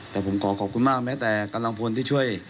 แต่ผมขอขอบคุณมากแม้แต่กำลังพลที่ช่วย